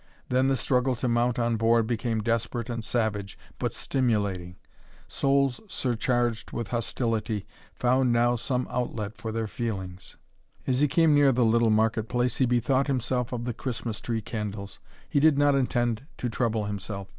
Then the struggle to mount on board became desperate and savage, but stimulating. Souls surcharged with hostility found now some outlet for their feelings. As he came near the little market place he bethought himself of the Christmas tree candles. He did not intend to trouble himself.